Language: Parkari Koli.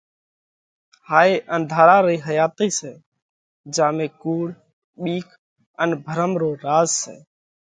هائي انڌارا رئِي حياتئِي سئہ جيا ۾ ڪُوڙ، ٻِيڪ ان ڀرم رو راز سئہ۔